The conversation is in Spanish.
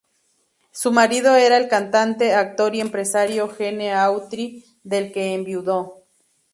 Su marido era el cantante, actor y empresario Gene Autry, del que enviudó.